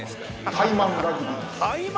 タイマンラグビー！？